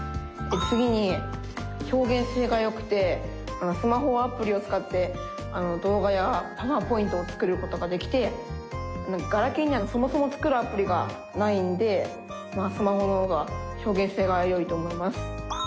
次に表現性がよくてスマホはアプリをつかって動画やパワーポイントを作ることができてガラケーにはそもそも作るアプリがないんでまあスマホのほうが表現性がよいと思います。